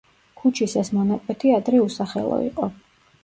ქუჩის ეს მონაკვეთი ადრე უსახელო იყო.